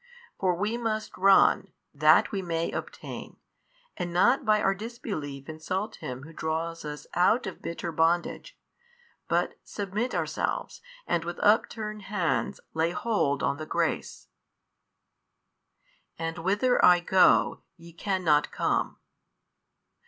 For we must run, that we may obtain, and not by our disbelief insult Him Who draws us out of bitter bondage, but submit ourselves and with upturned hands lay hold on the grace. and whither I go, YE cannot come.